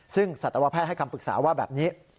ซึ่งสัตวแพทย์ให้คำปรึกษาว่าแบบนี้